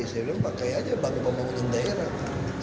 saya bilang pakai aja pakai pembangunan daerah